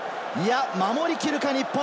守り切るか日本。